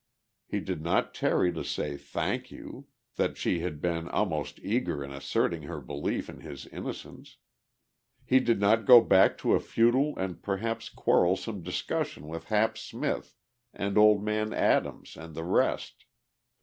He did not tarry to say "Thank you," that she had been almost eager in asserting her belief in his innocence. He did not go back to a futile and perhaps quarrelsome discussion with Hap Smith and old man Adams and the rest.